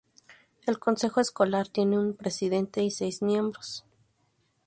El consejo escolar tiene un presidente y seis miembros.